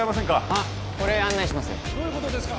あっ俺案内しますよどういうことですか！